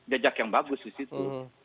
jejak yang bagus disitu